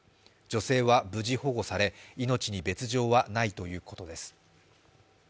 女性は無事保護され、命に別状はないということです。